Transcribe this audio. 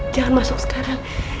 jangan masuk sekarang